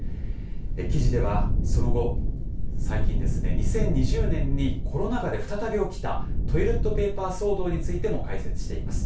記事では、その後最近ですね２０２０年にコロナ禍で再び起きたトイレットペーパー騒動についても解説しています。